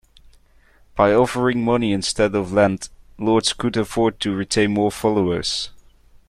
By offering money instead of land, lords could afford to retain more followers.